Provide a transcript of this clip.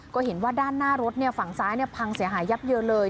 ก็เห็นว่าด้านหน้ารถฝั่งซ้ายพังเสียหายยับเยินเลย